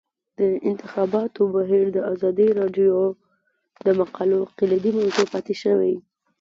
د انتخاباتو بهیر د ازادي راډیو د مقالو کلیدي موضوع پاتې شوی.